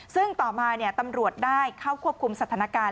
ซึ่งต่อมาตำรวจได้เข้าควบคุมสถานการณ์